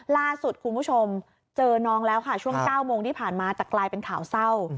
ล่าสุดคุณผู้ชมเจอน้องแล้วค่ะช่วง๙โมงที่ผ่านมาจะกลายเป็นข่าวเศร้า